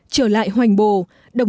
trở lại hoành bồ